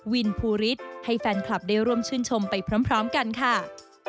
ภูริสให้แฟนคลับได้ร่วมชื่นชมไปพร้อมกันค่ะ